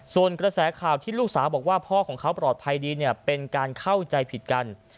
ส่วนกระแสข่าวที่ลูกสาวบอกว่าพ่อของเขาปลอดภัยดีเนี่ยเป็นการเข้าใจผิดกัน